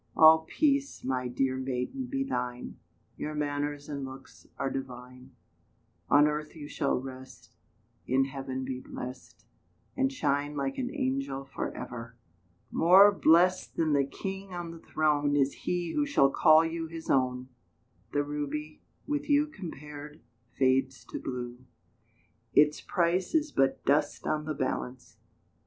All peace, my dear maiden, be thine: Your manners and looks are divine; On earth you shall rest, In heaven be blest, And shine like an angel for ever. More blest than the king on the throne Is he who shall call you his own! The ruby, with you Compared, fades to blue Its price is but dust on the balance.